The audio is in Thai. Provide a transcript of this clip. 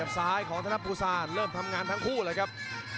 ซ้ายของธนปุตรศาลเริ่มทำงานทั้งคู่แล้วครับ